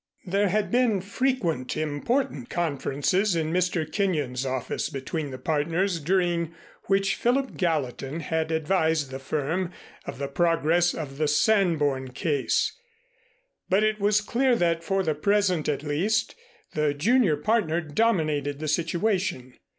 There had been frequent important conferences in Mr. Kenyon's office between the partners during which Philip Gallatin had advised the firm of the progress of the Sanborn case, but it was clear that for the present at least the junior partner dominated the situation.